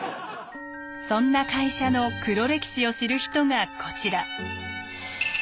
そんな会社の黒歴史を知る人がこちら。